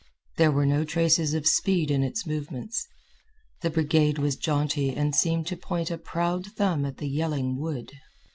There were no traces of speed in its movements. The brigade was jaunty and seemed to point a proud thumb at the yelling wood.